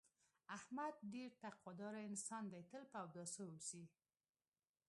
احمد ډېر تقوا داره انسان دی، تل په اوداسه اوسي.